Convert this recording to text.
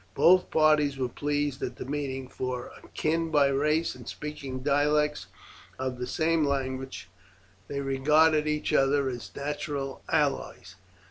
Both parties were pleased at the meeting, for, akin by race and speaking dialects of the same language, they regarded each other as natural allies.